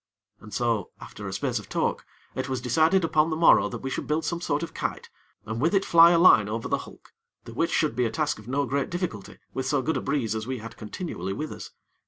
And so, after a space of talk, it was decided that upon the morrow we should build some sort of kite, and with it fly a line over the hulk, the which should be a task of no great difficulty with so good a breeze as we had continually with us.